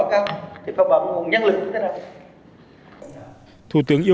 đáp đảm bảo đối với các nông nghiệp